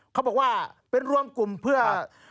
เขาบอกว่าเป็นรวมกลุ่มเพื่อ